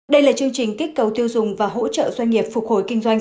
đây là chương trình kích cầu tiêu dùng và hỗ trợ doanh nghiệp phục hồi kinh doanh